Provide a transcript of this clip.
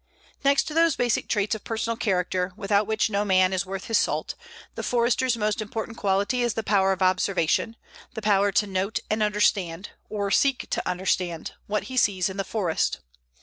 Next to those basic traits of personal character, without which no man is worth his salt, the Forester's most important quality is the power of observation, the power to note and understand, or seek to understand, what he sees in the forest.